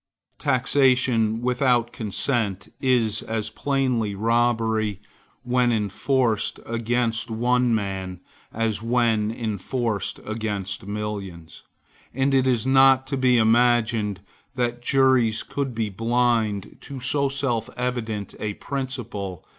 Taxation without consent is as plainly robbery, when enforcers against one man, as when enforced against millions; and it is not to be imagined that juries could be blind to so self evident a principle.